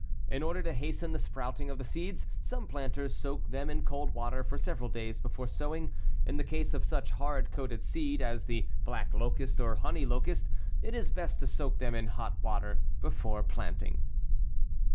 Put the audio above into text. In order to hasten the sprouting of the seeds, some planters soak them in cold water for several days before sowing. In the case of such hard coated seed as the black locust or honey locust, it is best to soak them in hot water before planting.